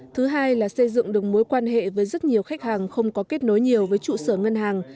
thứ hai là xây dựng được mối quan hệ với rất nhiều khách hàng không có kết nối nhiều với trụ sở ngân hàng